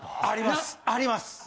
あります！